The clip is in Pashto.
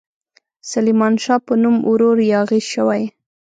سلیمان شاه په نوم ورور یاغي شوی.